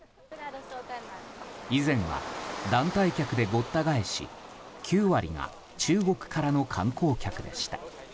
以前は団体客でごった返し９割が中国からの観光客でした。